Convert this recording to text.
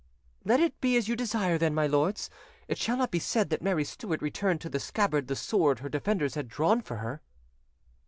"Let it be as you desire, then, my lords. It shall not be said that Mary Stuart returned to the scabbard the sword her defenders had drawn for her."